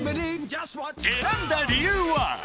選んだ理由は？